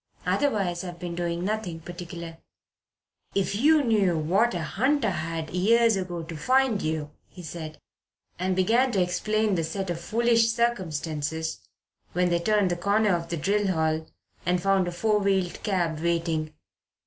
Otherwise I've been doing nothing particular." "If you knew what a hunt I had years ago to find you," he said, and began to explain the set of foolish circumstances when they turned the corner of the drill hall and found a four wheeled cab waiting.